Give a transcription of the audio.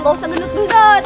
gak usah ngedut ngedut